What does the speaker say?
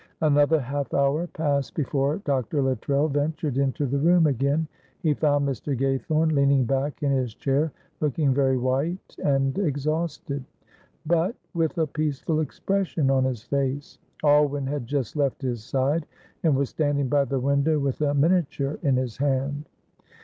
Another half hour passed before Dr. Luttrell ventured into the room again. He found Mr. Gaythorne leaning back in his chair looking very white and exhausted, but with a peaceful expression on his face. Alwyn had just left his side and was standing by the window with a miniature in his hand.